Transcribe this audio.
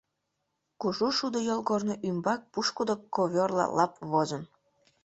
Кужу шудо йолгорно ӱмбак пушкыдо ковёрла лап возын.